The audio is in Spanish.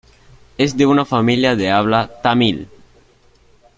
Es de una familia de habla tamil.